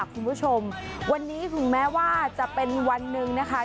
คุณผู้ชมวันนี้ถึงแม้ว่าจะเป็นวันหนึ่งนะคะ